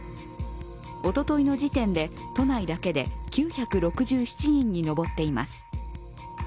おとといの時点で都内だけで９６７人に上っています。